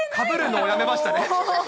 かぶるのやめましたね。